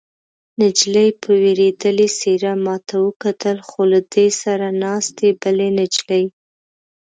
نجلۍ په وېرېدلې څېره ما ته وکتل، خو له دې سره ناستې بلې نجلۍ.